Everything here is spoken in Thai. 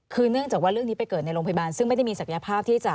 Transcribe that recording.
คือเนื่องจากว่าเรื่องนี้ไปเกิดในโรงพยาบาลซึ่งไม่ได้มีศักยภาพที่จะ